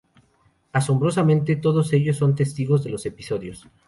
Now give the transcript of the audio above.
Asombrosamente, todos ellos son testigos de los episodios.